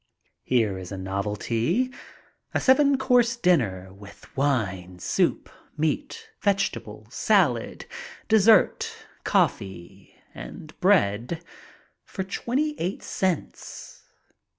Here is a novelty. A seven course dinner, with wine, soup, meat, vegetables, salad, dessert, coffee, and bread for twenty eight cents.